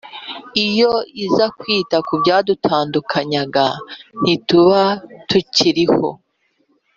Iyo iza kwita kubyadutandukanyaga ntituba tukiriho